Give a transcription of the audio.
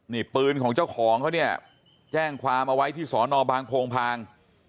นี่ปืนของเจ้าของเขาเนี่ยแจ้งความเอาไว้ที่สอนอบางโพงพาง